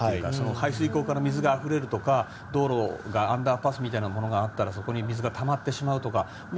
排水溝から水があふれるとか道路、アンダーパスみたいなものがあったらそこに水がたまってしまうとか。